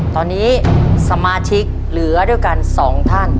ตอนนี้สมาชิกเหลือด้วยกัน๒ท่าน